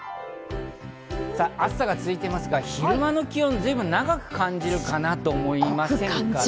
暑さが続いていますが昼間の時間、随分長く感じるかなと思います。